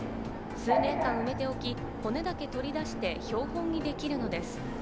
数年間、埋めておき、骨だけを取り出して標本にできるのです。